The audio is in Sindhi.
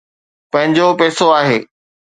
پنهنجو پئسو آهي.